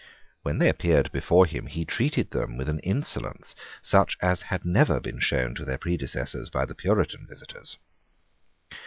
When they appeared before him he treated them with an insolence such as had never been shown to their predecessors by the Puritan visitors.